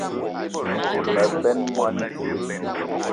Me benn moni ite